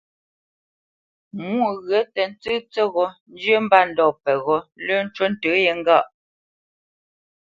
Mwô ghyə̂ tə tsə́ tsə́ghō njyə́ mbândɔ̂ peghó lə́ ncú ntə yē.